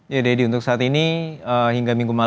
ya deddy untuk saat ini hingga minggu malam